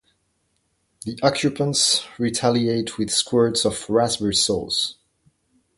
The occupants retaliate with squirts of raspberry sauce.